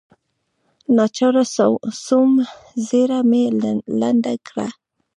ناچاره سوم ږيره مې لنډه کړه.